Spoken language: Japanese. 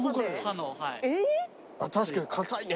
確かに硬いね。